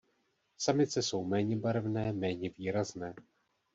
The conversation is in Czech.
Samice jsou méně barevně méně výrazné.